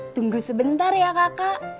tunggu sebentar ya kakak